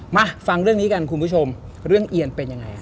มาฟังเรื่องนี้กันคุณผู้ชมเรื่องเอียนเป็นยังไงฮะ